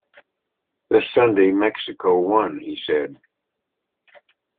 "This Sunday, Mexico won," he said.